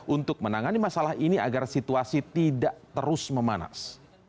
untuk menangani masalah ini agar situasi tidak terus memanas